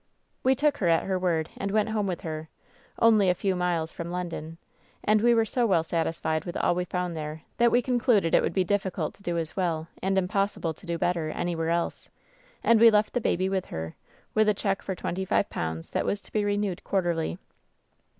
* "We took her at her word and went home with her — only a few miles from London — and we were so well satisfied with all we found there that we concluded it would be difficult to do as well, and impossible to do better, anywhere else; and we left the baby with her, with a check for twenty five pounds, that was to be re newed quarterly.